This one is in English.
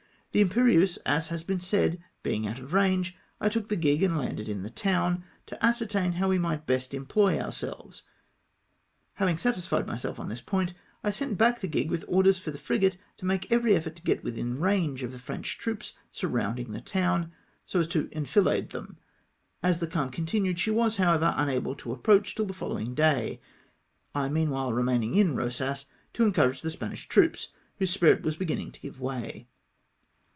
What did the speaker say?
The Imperieuse, as has been said, being out of range, I took the gig and landed in the town, to ascertain how we might best employ ourselves. Having satisfied myself on this point, I sent back the gig with orders for the frigate to make every efibrt to get within range of the French troops surrounding the town, so as to enfilade them. As the calm continued, she was, however, unable to approach till the foUowing day, I meanwhile remaiiung in Eosas, to encourage the Spanish troops, whose spirit was beginning to give way.